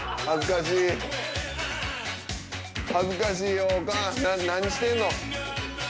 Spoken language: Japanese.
恥ずかしいよおかん何してんの？